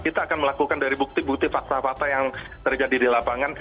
kita akan melakukan dari bukti bukti fakta fakta yang terjadi di lapangan